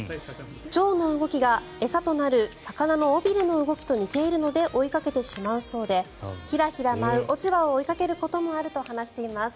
チョウの動きが餌となる魚の尾びれの動きと似ているので追いかけてしまうそうでヒラヒラ舞う落ち葉を追いかけることもあると話しています。